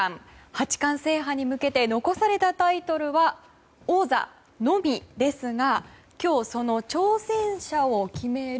八冠制覇に向けて残されたタイトルは王座のみですが今日、その挑戦者を決める